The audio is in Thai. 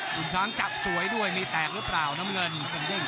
คุณช้างจับสวยด้วยมีแตกหรือเปล่าน้ำเงิน